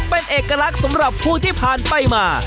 เป็นเอกลักษณ์สำหรับผู้ที่ผ่านไปมา